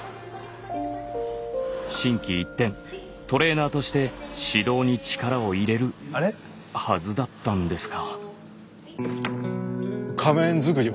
心機一転トレーナーとして指導に力を入れるはずだったんですが。